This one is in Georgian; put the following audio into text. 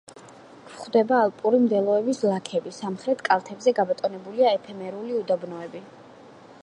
გვხვდება ალპური მდელოების ლაქები; სამხრეთ კალთებზე გაბატონებულია ეფემერული უდაბნოები.